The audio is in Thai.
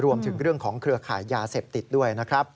รวมถึงเรื่องของเครือข่ายยาเสพติดด้วยนะครับ